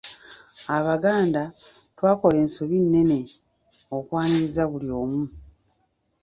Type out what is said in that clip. Abaganda twakola ensobi nnene okwaniriza buli omu.